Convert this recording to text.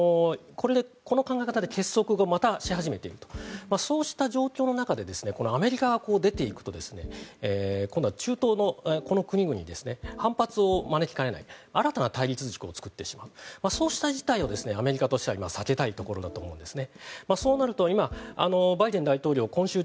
この考え方で結束し始めているとそうした状況の中でアメリカがこう出ていくとですね今度は中東のこの国々ですね反発を招きかねない新たな対立軸を作ってしまうそうした事態をですねアメリカとしては避けたいところだと思うんですね。